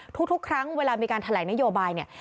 ทุกครั้งเวลามีการแถลงนโยบายเนี่ย